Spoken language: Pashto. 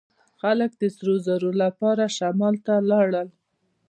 خلک د سرو زرو لپاره شمال ته لاړل.